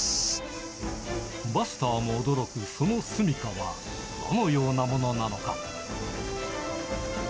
バスターも驚くその住みかは、どのようなものなのか。